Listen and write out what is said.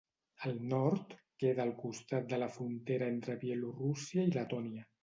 Al nord queda al costat de la frontera entre Bielorússia i Letònia.